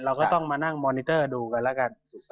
เราก็ต้องมานั่งมอนิเตอร์ดูกันแล้วกัน